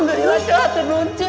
enggak enggak cuy hatu numpisan